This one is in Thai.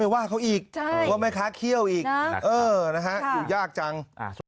ว่าเขาอีกว่าแม่ค้าเคี่ยวอีกอยู่ยากจัง